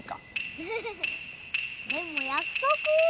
ウフフでも約束！